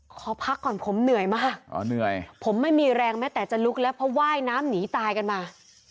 ขอพักก่อนผมเหนื่อยมากอ๋อเหนื่อยผมไม่มีแรงแม้แต่จะลุกแล้วเพราะว่ายน้ำหนีตายกันมา